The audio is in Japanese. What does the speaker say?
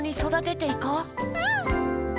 うん！